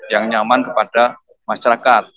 yang nyaman kepada masyarakat